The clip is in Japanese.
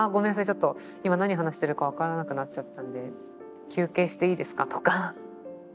ちょっと今何話してるか分からなくなっちゃったんで休憩していいですか？」とか。